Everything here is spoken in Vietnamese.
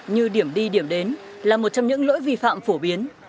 như điểm đi điểm đến là một trong những lỗi vi phạm phổ biến